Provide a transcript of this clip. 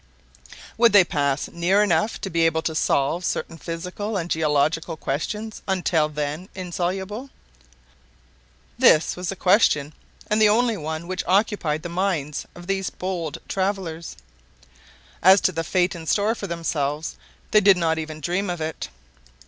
Would they pass near enough to be able to solve certain physical and geological questions until then insoluble? This was the question, and the only one, which occupied the minds of these bold travelers. As to the fate in store for themselves, they did not even dream of it.